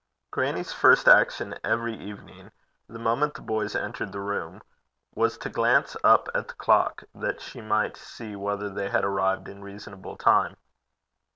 Grannie's first action every evening, the moment the boys entered the room, was to glance up at the clock, that she might see whether they had arrived in reasonable time.